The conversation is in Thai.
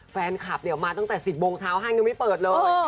แฟนคลับเนี่ยมาตั้งแต่๑๐โมงเช้าห้างยังไม่เปิดเลย